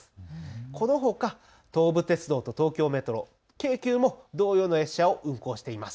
このほか東武鉄道と東京メトロ、京急も同様の列車を運行しています。